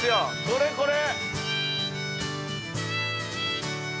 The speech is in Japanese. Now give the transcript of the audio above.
これこれ。